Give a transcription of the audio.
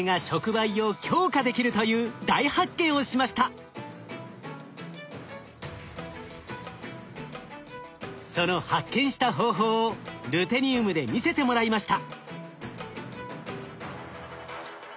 ハラスさんたちはその発見した方法をルテニウムで見せてもらいました。